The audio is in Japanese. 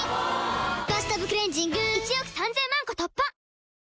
「バスタブクレンジング」１億３０００万個突破！